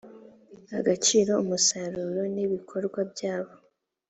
agaciro umusaruro n ibikorwa byabo